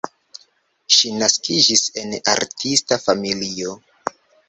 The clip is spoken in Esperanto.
Ŝi naskiĝis en artista familio.